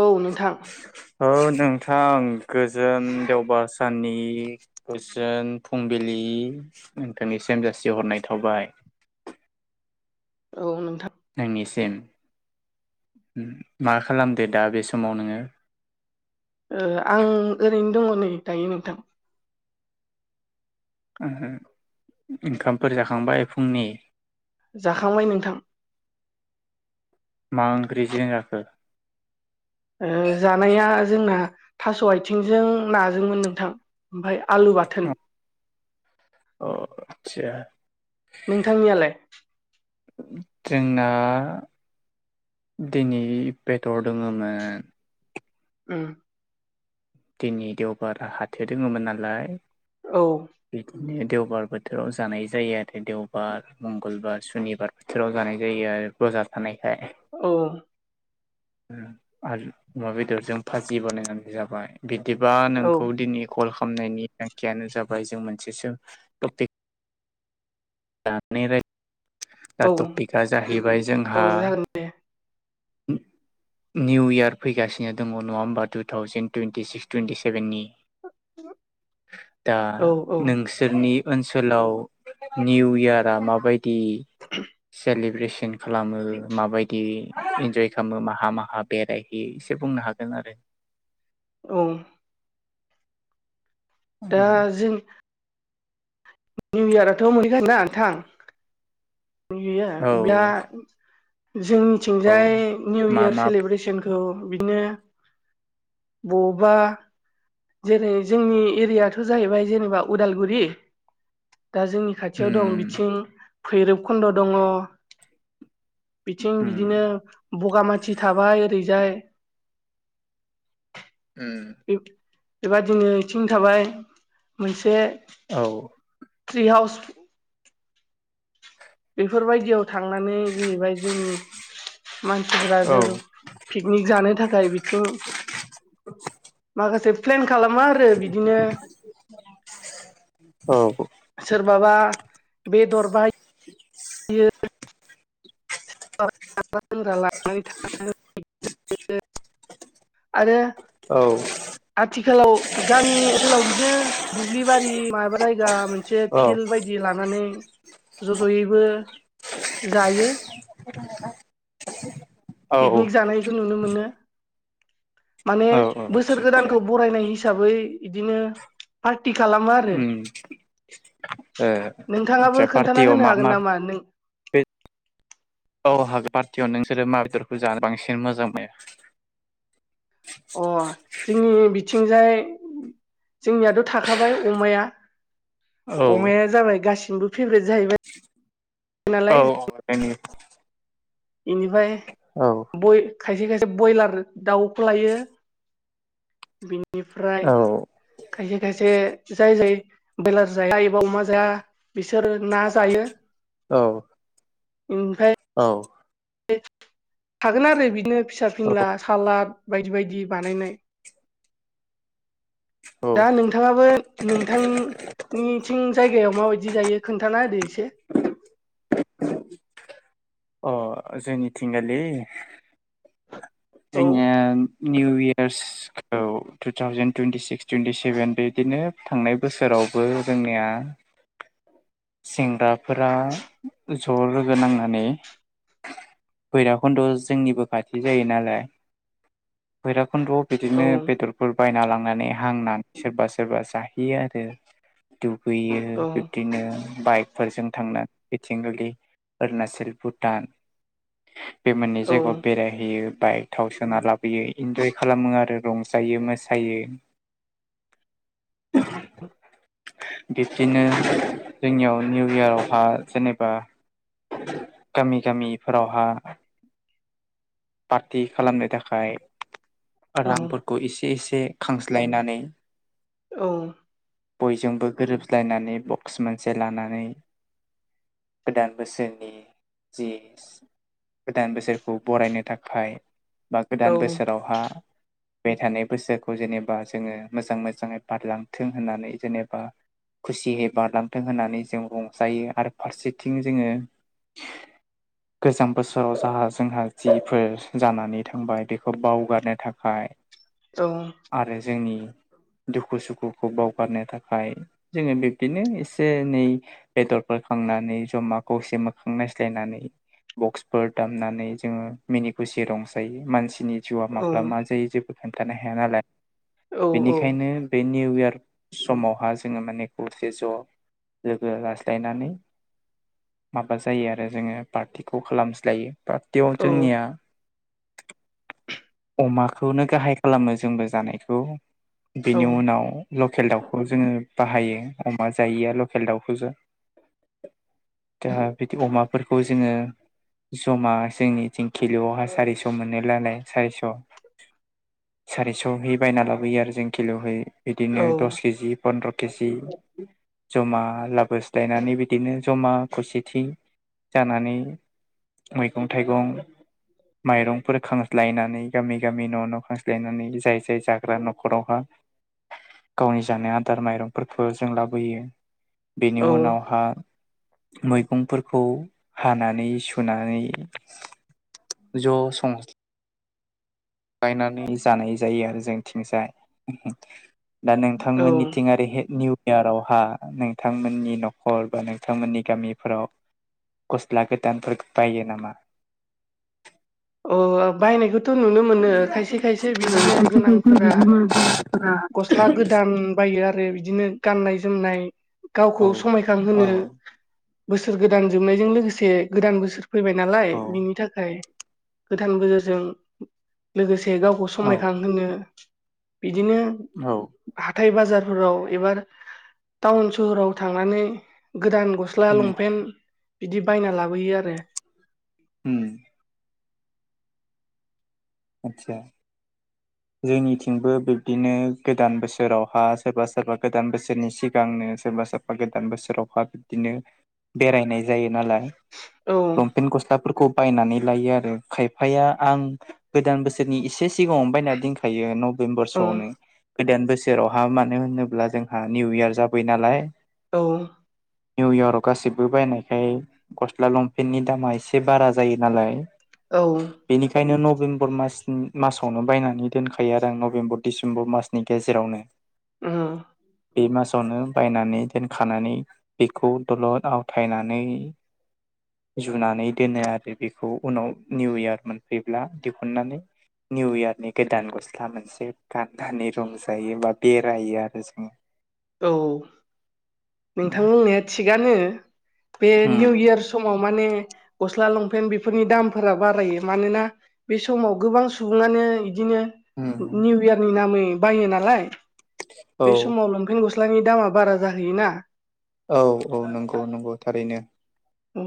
औ नोंथां औ नोंथां गोजोन देवबास साननि कुइसन फुंबिलि नोंथांनि सेमजासि हरनाय थावाय [inaudible] औ नोंथां नोंनिसिम मा खालामदो दा बे समाव नोङो आं ओरैनो दङ नै दायो नोंथां आरो ओंखामफोर जाखांबाय फुंनि जाखांबाय नोंथां मा ओंख्रि ज जाखो जानाया जोंना थास' आथिंजों नाजोंमोन नोंथां ओमफाय आलु बाथोन अ आदसा नोंथांनियालाय जोंना दिनै बेदर दङोमोन उम दिनै देवबारा हाथो दोङोमोन नालाय औ बिदिनो देवबार बोथोराव जानाय जायो आरो देवबार मंगलबार सुनिबार बोथोराव जानाय जायो आरो बजार थानायखाय औ आरो अमा बेदरजों भाजि बानायनानै जाबाय बिदिबा औ नोंखौ दिनै कल खालामनायनि थांखियानो जाबाय जों मोनसेसो टपिक दानि औ टपिकआ जाहैबाय औ जोंहा जागोन दे [unintelligible] निउ यार फैगासिनो दङ नङा होमबा two thousand twenty six twenty seven नि दा औ औ नोंसोरनि ओनसोलाव निउ इयारा माबायदि सेलब सब्रेसन खालामो माबायदि इन्जय खालामो माहा माहा बेरायहै एसे बुंनो हागोन आरो [inaudible] औ दा जों निउ इयारथ' मोनहैख ना नोंथां गैया [unintelligible] औ जोंनिथिंजाय निउ मा इयार मा सेलेब्रेसनखौ बिदिनो ब'बा जेरै जोंनि एरियाथ' जाहैबाय जेनेबा उदालगुरि दा जोंनि खाथियाव दं उम बिथिं भैरबकुन्द' दङ' बिथिं उम बिदिनो बगामाथि थाबाय ओरैजाय उम बेबादिनो थिं थाबाय मोनसे औ ट्रि हाउस बेफोरबायदियाव थांनानै जोहैबाय जोंनि मानसिफोरा औ जों पिकनिक जानो थाखाय बिथिं माखासे प्लेन खालामो आरो बिदिनो औ सोरबाबा बेदर बाय लोंग्रा [unintelligible] लानानै आरो औ आथिखालाव गामि ओनसोलाव बिदिनो दुब्लि बारि माबा जायगा मोन मोनसे औ फिल्ड बायदि लानानै ज जयैबो जायो। औ पिकनिक जानायखौ नुनो मोनो माने औ बोसोर थिग थिग गोदानखौ बरायनाय हिसा साबै इदिनो पार्टि खालामो आरो नोंथाङाबो आदसा खोन्थाना पार्टियाव होनो मा मा हागोन बे नामा नों औ हागो पार्टियाव नोंसोरो मा बेदरखौ जानो बांसिन मोजां मोनो? अ जोंनि बिथिंजाय जोंनियाथ' थाखाबाय अमाया औ अमाया जाबाय गासिनिबो फेभ्रेट जाहैबाय औ नालाय बेनिफ्राय बय खायसे खायसे बयलार दाउखौ लायो बेनिफ्राय औ खायसे खायसे जाय जाय बयलार जाया एबा अमा जाया बि सोरो ना जायो ओमफ्राय औ औ थागोन आरो बिदिनो फिसा फिंला सालाद बायदि बायदि बानायनाय। दा नोंथाङाबो नोंथांनिथिं जायगायाव माबायदि जायो खोन्थाना होदो से अ जोंनि थिंगालि औ जोंनिया निउ इयार्सखौ two thousand twenty six twenty seven बेदिनो थांनाय बोसोराव बो जोंनिया सेंग्राफोरा ज लोगो नांनानै भैराबाखन्द जोंनिबो खाथि जायो नालाय भैरब कन्ड' औ बिदिनो बेदरफोर बायना लां नानै हांनानै सोरबा सोरबा जाहोयो आरो दुगैयो औ बिब्दिनो बाइकफोरजों थांनानै बिथिंगुलि अरुणाचल भुटान बे मोननै औ जायगायाव बेरायहैयो । बाइक थाव सोना लाबोयो इन्जय खालामो आरो रंजायो मोसायो बिदिनो जोंनियाव निउ इयारावहा जेनेबा गामि गामिफोरावहा पार्टि खालामनो थाखाय औ रांफोरखौ एसे एसे खांज्लायनानै औ। बयजोंबो गोरोबलायनानै बक्स मोनसे लानानै गोदान बोसोरनि जि गोदान बोसोरखौ बरायनो थाखाय बा गोदान बोसोरावहा फैबाय थानाय बोसोरखौ जेनेबा जोङो मोजां मोजाङै बारलांथों होननानै जेनेबा खुसिहै बारलां थों होननानै जों रंजायो आरो फारसेथिं जोङो गोजाम बोसोराव जाहहा जोंहा जिफोर जानानै थांबाय बेखौ बावगारनो थाखाय आरो जोंनि दुखु सुखुखौ बावगारनो थाखाय जोङो बिब्दिनो एसे एनै बेदरफोर खांनानै जमा खौसे मोखां नायज्लायनानै बक्सफोर दामनानै जोङो मिनि खुसि रंजायो मानसि नि जिउआ माब्ला मा जायो जेबो खोन्थानो हाया नालाय बेनिखायनो बे निउ इयार समावहा जोङो माने खौसे ज' लोगो लाज्लायनानै माबा जायो आरो जोङो पार्टिखौ खालामज्लायो। पार्टियाव जोंनिया अमाखौनो गाहाइ खालामो जोंबो जानायखौ। बेनि उनाव लकेल दाउखौ जोङो बाहायो अमा जायैया लकेल दाउखौ जा, दा बिदि अमाफोरखौ जोङो जमा जोंनिथिं किल'आवहाय सारिस' मोननो नालाय सारिस' सारिस'है बायना लाबोयो आरो जों किल'है। बिदिनो औ दस केजि पन्द्र' केजि जमा लाबोस्लायनानै बिदिनो जमा खौसेथि जानानै मैगं थाइगं माइरंफोर खांज्लायनानै गामि गामि न' न' खांज्लायनानै जाय जाय जाग्रा न'खरावहा गावनि जानाय आदार माइरंफोरखौ जों लाबोयो। बेनि औ उनावहा मैगंफोरखौ हानानै सुनानै ज' सं बायनानै जानाय जायो आरो जोंनिथिंजाय। दा नोंथांमोननिथिं आरो हे निउ इयारावहा नोंथांमोननि न'खर बा नोंथांमोननि गामिफोराव गस्ला गोदानफोर बायो नामा? अ आं बायनायखौ थ' नुनो मोनो खायसे खायसे बिदिनो गोनांफोरा गस्ला गोदान बायो आरो बिदिनो गाननाय जोमनाय गावखौ औ समायखां औ होनो बोसोर गोदान जोबनायजों लोगोसे गोदान बोसोर फैबाय नालाय औ बेनि थाखाय गोदान बोसोरजों लोगोसे गावखौ औ समायखांहोनो। बिदिनो औ हाथाइ बाजारफोराव एबा टाउन सहराव थांनानै गोदान गस्ला उम लंपेन्ट बिदि बायना लाबोयो आरो। उम आतसा! जोंनिथिंबो बिब्दिनो गोदान बोसोरावहा सोरबा सोरबा गोदान बोसोरनि सिगांनो सोरबा सोरबा गोदान बोसोरावहा बिदिनो बेरायनाय जायो नालाय औ लंपेन गस्लाफोरखौ बायनानै लायो आरो खायफाया। आं गोदान बोसोरनि एसे सिगाङावनो बायनानै दोनखायो नभेम्बरसोआवनो औ गोदान बोसोर जेरावहा मानो होनोब्ला जोंहा निउ इयार जाबोयो नालाय औ। निउइयारव गासिबो बायनायखाय गस्ला लंपेन्टनि दामा एसे बारा जायो नालाय। औ बेनिखायनो नभेम्बर मास मासावनो बायनानै दोनखायो आरो आं नभेम्बर डिसेम्बर उम।। बे मासावनो बायनानै दोनखानानै बेखौ दलद आवथायनानै जुनानै दोनो आरो बेखौ उनाव निउ इयार मोनफैब्ला दिहुननानै निउ इयारनि गोदान गस्ला मोनसे गाननानै रंजायो बा बेरायो आरो जोङो। औ औ उम नोंथां बुंनाया थिगानो। बे निउ इयार समाव माने गस्ला लंपेन्ट बेफोरनि दामफोरा बिदिनो उम निउ इयारनि नामै बायो नालाय औ बे समाव गस्लानि दामा बारा जाहैयोना । औ औ नंगौ नंगौ थारैनो अ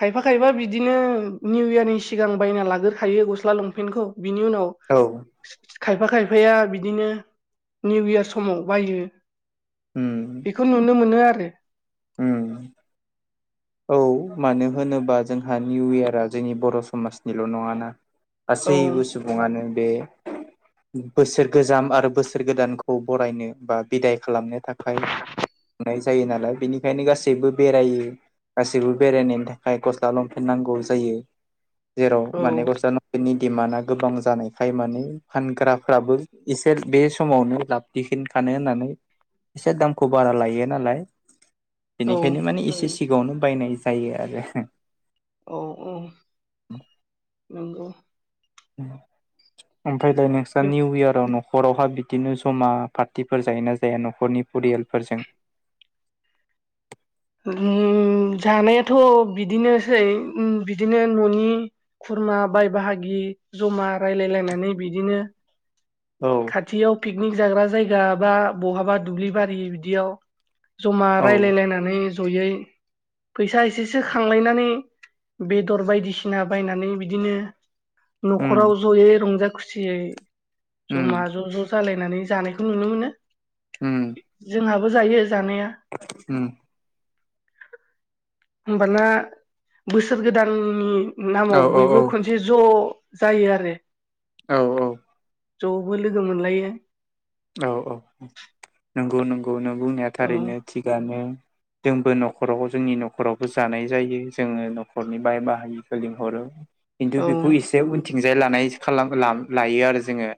खायफा खायफा बिदिनो निउ इयारनि सिगां बायना लाग्रोखायो गस्ला लंपेन्टखौ बिनि उनाव औ खायफा खायफाया बिदिनो निउ इयार समाव बायो उम बेखौ नुनो मोनो आरो उम । औ मानो होनोबा जोंहा निउ इयारा जोंनि बर' समाजनिल' नङा ना? औ गासैबो सुबुङानो बे बोसोर गोजाम आरो बोसोर गोदानखौ बरायनो बा बिदाय खालामनो थाखाय खालामनाय जायो नालाय बेनिखायनो गासैबो बेरायो गासैबो बेरायनायनि थाखाय गस्ला लंफेन नांगौ जायो औ दिडमान्आ गोबां जानायखाय माने फानग्राफ्राबो एसे बे समावनो लाब दिखां होननानै एसे दामखौ बारा लायो नालाय । औ बेनिखायनो माने एसे सिगाङावनो बायनाय जायो आरो औ औ नंगौ । ओमफ्रायलाय नोंस्रा निउ इयाराव न'खर न'खरावहा बिदिनो ज'मा पार्टिफोर जायोना जाया न'खरनि फरियालफोरजों? [inaudible] जानायाथ' बिदिनोसै बिदिनो न'नि खुरमा बाय बाहागि जमा रायलायलायनानै बिदिनो औ खाथियाव पिकनिक जाग्रा जायगा बा बहाबा दुब्लि बारि बिदियाव जमा औ रायजलायलायनानै जयै फैसा एसेसो खांलायनानै बेदर बायदिसिना बायनानै बिदिनो उम न'खराव ज'यै रंजा खुसियै उम जमा ज' ज' जालायनानै जानायखौ नुनो मोनो । हम । जोंहाबो जायो । उम । होनबाना बोसोर गोदाननि औ नामाव औ बयबो खनसे ज' जायो आरो औ औ । ज'बो लोगो मोनलायो । औ औ नंगौ नंगौ नों बुंनाया औ थारैनो थिगानो । जोंबो न'खराव जोंनि न'खरावबो जानाय जायो खिन्थु औ बेखौ एसे उनथिंजाय लानाय लायो आरो जोङो ।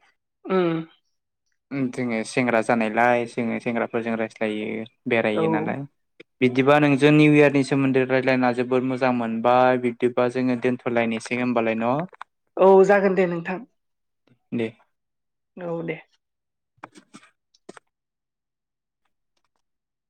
उम । जोङो सेंग्रा जानायलाय जोङो सेंग्राफोरजों रायज्लायो औ बेरायो नालाय बिदिबा नोंजों निउ इयारनि सोमोन्दै रायजलायना जोबोद मोजां मोनबाय बिदिबा जोङो दोनथ'लायनोसै । होमबालाय न' औ जागोन दे नोंथां दे औ दे